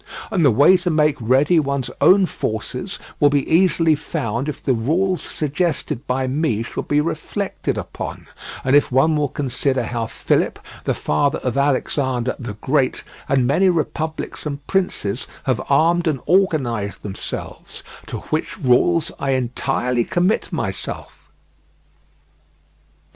And the way to make ready one's own forces will be easily found if the rules suggested by me shall be reflected upon, and if one will consider how Philip, the father of Alexander the Great, and many republics and princes have armed and organized themselves, to which rules I entirely commit myself.